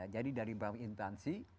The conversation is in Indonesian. jadi dari bank intansi